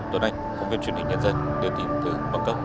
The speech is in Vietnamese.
tốt anh công viên truyền hình nhân dân đưa tin từ băng cốc